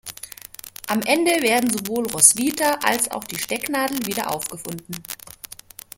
Am Ende werden sowohl Roswitha als auch die Stecknadel wieder aufgefunden.